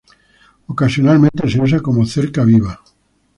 Ocasionalmente se usa como cerca viva.